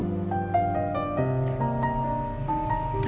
aku tunggu di luar ya